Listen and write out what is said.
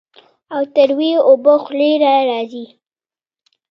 او تروې اوبۀ خلې له راځي